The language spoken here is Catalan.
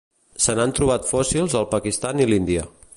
Se n'han trobat fòssils al Pakistan i l'Índia.